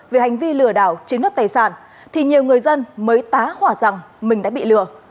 về hành vi lừa đảo chiếm đất tài sản thì nhiều người dân mới tá hỏa rằng mình đã bị lừa